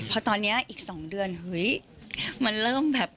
พอตอนนี้อีก๒เดือนเฮ้ยมันเริ่มแบบ